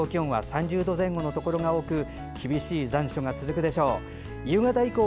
最高気温は３０度前後のところが多く厳しい残暑が続くでしょう。